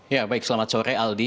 ya baik selamat sore aldi